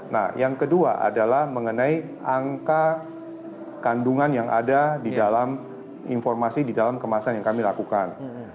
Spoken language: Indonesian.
nah yang kedua adalah mengenai angka kandungan yang ada di dalam informasi di dalam kemasan yang kami lakukan